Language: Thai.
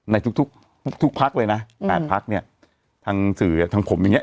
ในทุกทุกทุกทุกพักเลยน่ะอืมแปดพักเนี้ยทางสื่ออ่ะทางผมอย่างเงี้ย